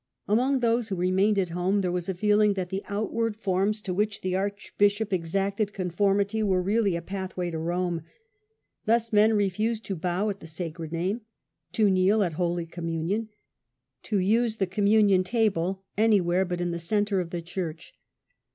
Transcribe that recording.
Among tKose who remained at home, there was a feeling that the outward forms, to which the Archbishop exacted conformity, were really a pathway to Rome. Thus men refused to bow at the Sacred Name, to kneel at Holy Communion, to use the Communion Table anywhere but in the centre of the church.